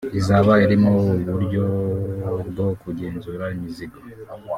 izaba irimo uburyo bwo kugenzura imizigo